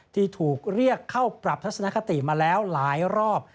ที่ถูกเรียกเข้าปรับทัศนคติมาแล้วหลายรอบ